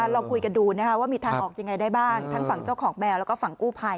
เราคุยกันดูว่ามีทางออกยังไงได้บ้างทั้งฝั่งเจ้าของแมวแล้วก็ฝั่งกู้ภัย